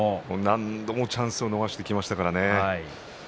チャンスを逃してきましたからね。